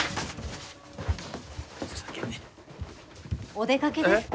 お出かけですか？